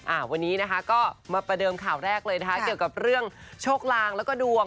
อ่าวันนี้นะคะก็มาประเดิมข่าวแรกเลยนะคะเกี่ยวกับเรื่องโชคลางแล้วก็ดวง